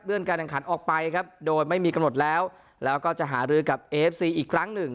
การแข่งขันออกไปครับโดยไม่มีกำหนดแล้วแล้วก็จะหารือกับเอฟซีอีกครั้งหนึ่ง